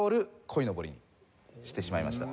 『こいのぼり』にしてしまいました。